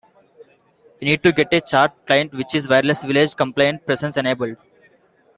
You need to get a chat client which is "Wireless Village compliant presence-enabled".